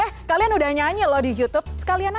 eh kalian udah nyanyi loh di youtube sekalian aja